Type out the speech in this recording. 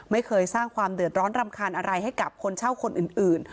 ไม่เคยสร้างความเดือดร้อนรำคาญอะไรให้กับคนเช่าคนอื่น